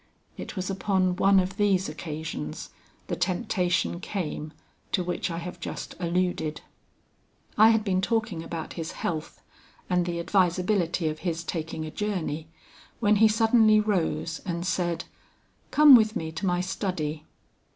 It was upon one of these occasions the temptation came to which I have just alluded. "I had been talking about his health and the advisability of his taking a journey, when he suddenly rose and said, 'Come with me to my study.'